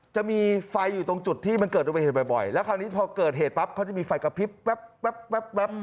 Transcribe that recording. จะมีไฟอยู่ตรงจุดที่มันเกิดอุบัติเหตุบ่อยแล้วคราวนี้พอเกิดเหตุปั๊บเขาจะมีไฟกระพริบ